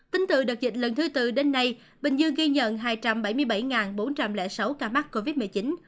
tính từ đợt dịch lần thứ tư đến nay bình dương ghi nhận hai trăm bảy mươi bảy bốn trăm linh sáu ca mắc covid một mươi chín